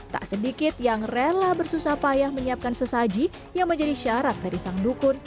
tak sedikit yang rela bersusah payah menyiapkan sesaji yang menjadi syarat dari sang dukun